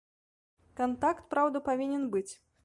Кантакт, праўда, павінен быць.